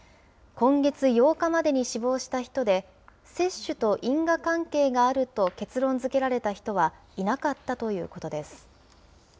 今月８日までに死亡した人で、接種と因果関係があると結論づけられた人は、いなかったということです。